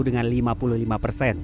dengan lima puluh lima persen